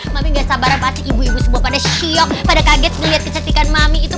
mami enggak sabar pasti ibu ibu semua pada siok pada kaget kecantikan mami itu